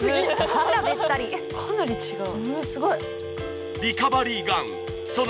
かなり違う。